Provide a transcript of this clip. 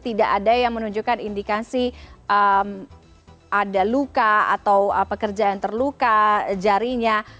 tidak ada yang menunjukkan indikasi ada luka atau pekerja yang terluka jarinya